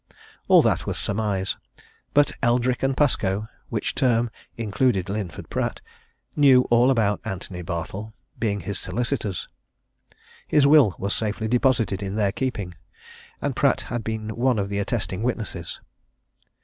All that was surmise but Eldrick & Pascoe which term included Linford Pratt knew all about Antony Bartle, being his solicitors: his will was safely deposited in their keeping, and Pratt had been one of the attesting witnesses.